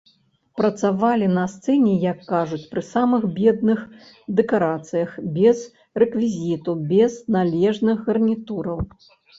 Працавалі на сцэне, як кажуць, пры самых бедных дэкарацыях, без рэквізіту, без належных гарнітураў.